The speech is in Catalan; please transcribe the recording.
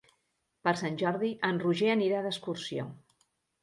Per Sant Jordi en Roger anirà d'excursió.